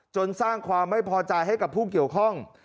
สร้างความไม่พอใจให้กับผู้เกี่ยวข้อง